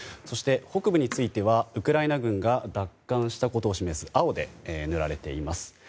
そして、北部についてはウクライナ軍が奪還したことを示す青で塗られています。